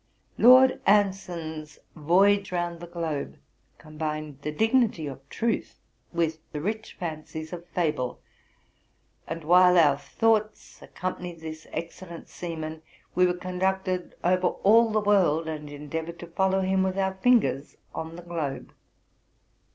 Lord Anson's '' Voyage round the Globe'' combined the dignity of truth with the rich fancies of fable; and, while our thoughts accompanied this excellent seaman, we were conducted over all the world, and endeavored to follow him with our fingers on the globe.